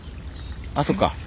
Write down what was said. あそっか。